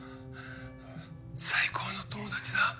最高の友達だ。